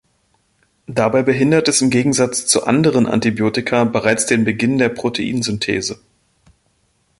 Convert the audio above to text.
Dabei behindert es im Gegensatz zu anderen Antibiotika bereits den Beginn der Proteinsynthese.